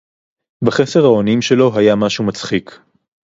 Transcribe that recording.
בְּחֹסֶר־הָאוֹנִים שֶׁלּוֹ הָיָה מַשֶׁהוּ מַצְחִיק.